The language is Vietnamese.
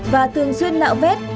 và thường xuyên nạo vét